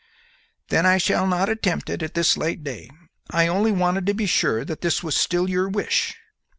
"Then I shall not attempt it at this late day. I only wanted to be sure that this was still your wish."